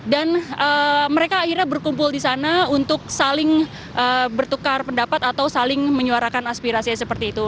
dan mereka akhirnya berkumpul di sana untuk saling bertukar pendapat atau saling menyuarakan aspirasinya seperti itu